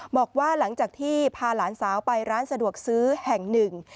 บอกว่าหลังจากที่พาหลานสาวไปร้านสะดวกซื้อแห่งหนึ่ง